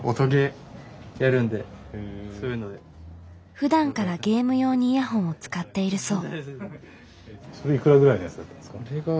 ふだんからゲーム用にイヤホンを使っているそう。